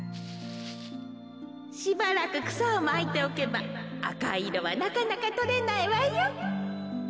しばらくくさをまいておけばあかいいろはなかなかとれないわよ。